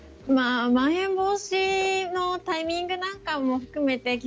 まん延防止のタイミングなんかも含めて